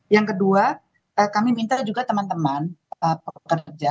yang kedua kami minta juga teman teman pekerja